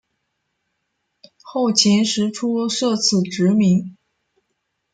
后秦时初设此职名。